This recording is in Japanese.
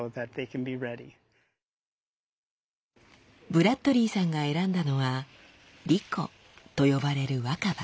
ブラッドリーさんが選んだのは「リコ」と呼ばれる若葉。